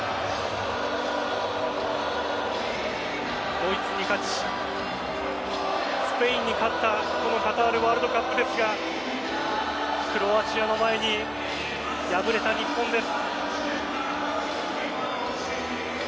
ドイツに勝ちスペインに勝ったこのカタールワールドカップですがクロアチアの前に敗れた日本です。